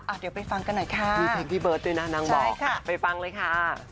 เดี๋ยวไปฟังกันหน่อยค่ะมีเพลงพี่เบิร์ตด้วยนะนางบอกไปฟังเลยค่ะ